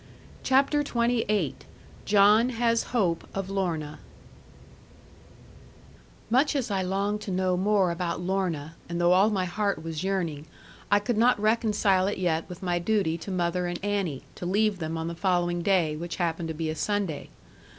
CHAPTER XXVIII JOHN HAS HOPE OF LORNA Much as I longed to know more about Lorna, and though all my heart was yearning, I could not reconcile it yet with my duty to mother and Annie, to leave them on the following day, which happened to be a Sunday.